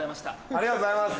ありがとうございます！